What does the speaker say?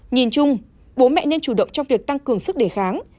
nhìn chung bố mẹ nên chủ động trong việc tăng cường sức đề kháng